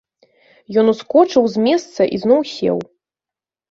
Ён ускочыў з месца і зноў сеў.